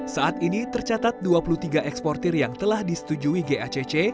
saat ini tercatat dua puluh tiga eksportir yang telah disetujui gacc